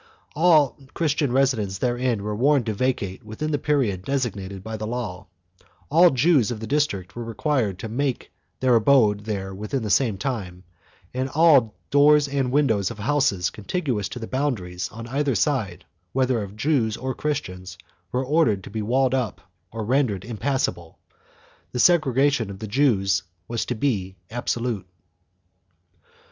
All Christians resident therein were warned to vacate within the period designated by the law; all Jews of the district were required to make their abode there within the same time, and all doors and windows of houses contiguous to the boundaries, on either side, whether of Jews or Christians, were ordered to be walled up or rendered impassable. The segregation of the Jews was to be absolute.